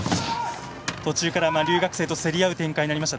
途中から留学生と競り合う展開になりました。